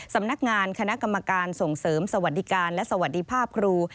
สำนักงานคณะกรรมการส่งเสริมสวัสดิการและสวัสดีภาพครู